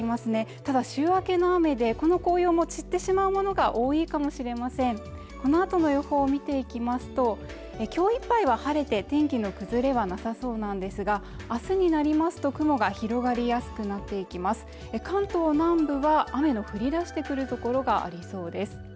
ただ週明けの雨でこの紅葉も散ってしまうものが多いかもしれませんこのあとの予報見ていきますと今日いっぱいは晴れて天気の崩れはなさそうなんですが明日になりますと雲が広がりやすくなっていきますと関東南部は雨の降り出してくるところがありそうです